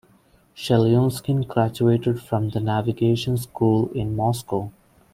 Chelyuskin graduated from the Navigation School in Moscow.